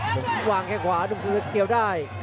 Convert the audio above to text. วางแค่ขวานึกถึงวางแค่เคี่ยวได้